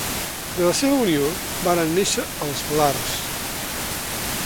De la seua unió varen néixer els lars.